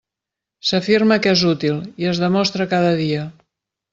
S'afirma que és útil, i es demostra cada dia.